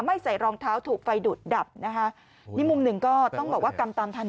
ไม่ใส่รองเท้าถูกไฟดุดดับมุมหนึ่งก็ต้องบอกว่ากำตามทัน